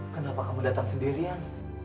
kenapa kamu datang sendirian